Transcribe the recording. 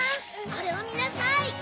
これをみなさい！